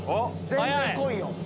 全然来いよ！